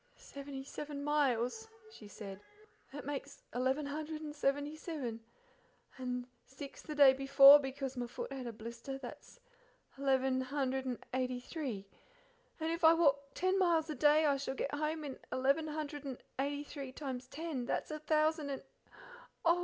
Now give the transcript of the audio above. "Seventy seven miles," she said, "and I walked eleven yesterday, that makes eleven hundred and seventy seven and six the day before because my foot had a blister that's eleven hundred and eighty three. And if I walk ten miles a day I shall get home in eleven hundred and eighty three times ten, that's a thousand and and oh!